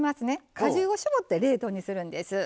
果汁を搾って冷凍にするんです。